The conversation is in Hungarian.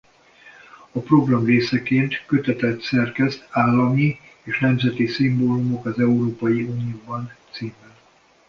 A program részeként kötetet szerkeszt Állami és nemzeti szimbólumok az Európai Unióban címmel.